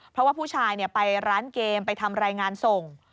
เพราะว่าผู้ชายไปร้านเกมไปทำรายงานส่ง